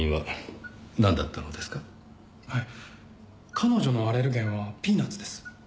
彼女のアレルゲンはピーナツです。